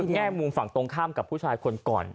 แง่มุมฝั่งตรงข้ามกับผู้ชายคนก่อน